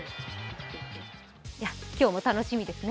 今日も楽しみですね。